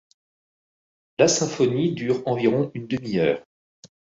La symphonie dure environ une demi-heure.